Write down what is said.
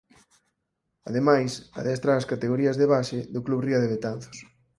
Ademais adestra ás categorías de base do Club Ría de Betanzos.